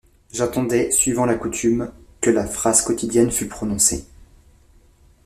J’attendais, suivant la coutume, que la phrase quotidienne fût prononcée.